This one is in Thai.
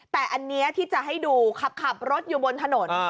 แต่อันนี้ที่จะให้ดูขับรถอยู่บนถนน